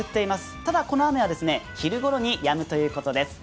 ただ、この雨は昼頃にやむということです。